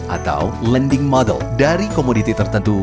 atau lending model dari komoditi tertentu